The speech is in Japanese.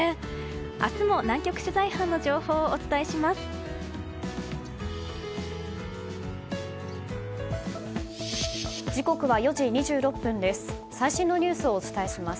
明日も南極取材班の情報をお伝えします。